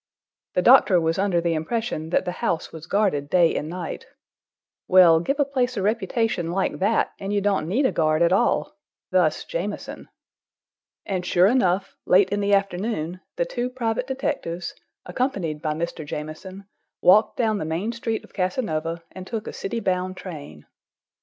The doctor was under the impression that the house was guarded day and night. Well, give a place a reputation like that, and you don't need a guard at all,—thus Jamieson. And sure enough, late in the afternoon, the two private detectives, accompanied by Mr. Jamieson, walked down the main street of Casanova and took a city bound train.